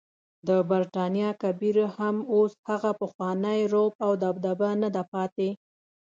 د برټانیا کبیر هم اوس هغه پخوانی رعب او دبدبه نده پاتې.